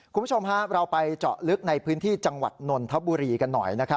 คุณผู้ชมเราไปเจาะลึกในพื้นที่จังหวัดนนทบุรีกันหน่อยนะครับ